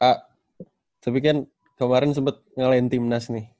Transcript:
kak tapi kan kemarin sempet ngelain tim nas nih